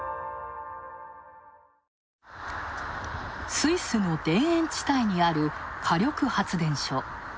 スイスの田園地帯にある火力発電所。